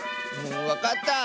わかった！